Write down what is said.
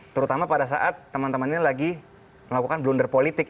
terutama pada saat teman teman ini lagi melakukan blunder politik